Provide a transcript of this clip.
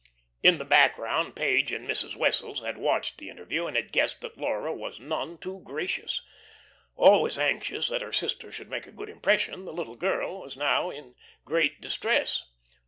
In the background, Page and Mrs. Wessels had watched the interview, and had guessed that Laura was none too gracious. Always anxious that her sister should make a good impression, the little girl was now in great distress.